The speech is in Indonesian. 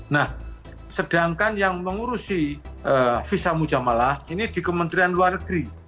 nah sedangkan yang mengurusi visa mujamalah ini di kementerian luar negeri